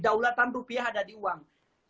daulatan rupiah ada di uang